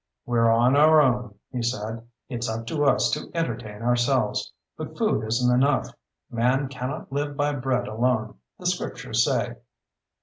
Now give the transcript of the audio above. "We're on our own," he said. "It's up to us to entertain ourselves. But food isn't enough. Man cannot live by bread alone, the Scriptures say."